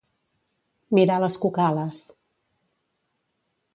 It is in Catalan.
Mirar les cucales.